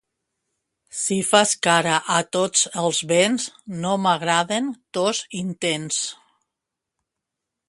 Si fas cara a tots els vents, no m'agraden tos intents.